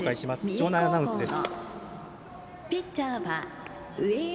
場内アナウンスです。